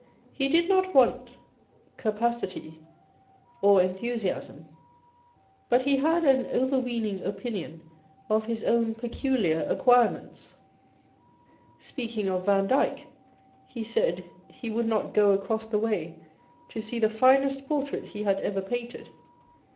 Pie did not want capacity or enthusiasm, but he had an overweening opinion of his own peculiar acquirements* Speaking of Vandyke, he said he would not go across the way to see the finest portrait he had ever painted.